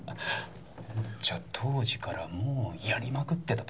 じゃあ当時からもうヤリまくってたとか？